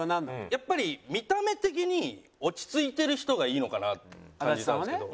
やっぱり見た目的に落ち着いてる人がいいのかなって感じたんですけど。